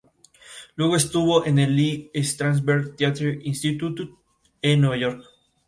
Luego estuvo en el Lee Strasberg Theatre Institut en Nueva York.